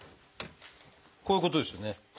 こういうことですよね。